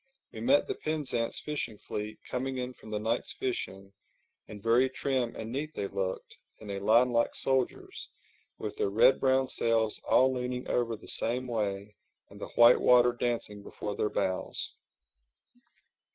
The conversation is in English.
We met the Penzance fishing fleet coming in from the night's fishing, and very trim and neat they looked, in a line like soldiers, with their red brown sails all leaning over the same way and the white water dancing before their bows.